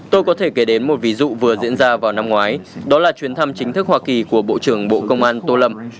tôi có thể kể đến một ví dụ vừa diễn ra vào năm ngoái đó là chuyến thăm chính thức hoa kỳ của bộ trưởng bộ công an tô lâm